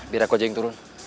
biar aku aja yang turun